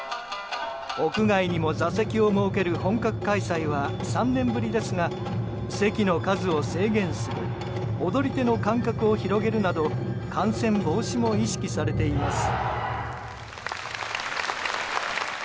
屋外にも座席を設ける本格開催は３年ぶりですが席の数を制限する踊り手の間隔を広げるなど感染防止も意識されています。